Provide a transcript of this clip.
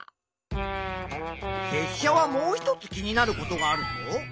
せっしゃはもう一つ気になることがあるぞ。